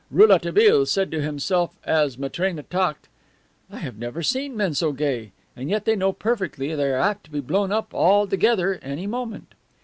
Rouletabille said to himself as Matrena talked, "I never have seen men so gay, and yet they know perfectly they are apt to be blown up all together any moment."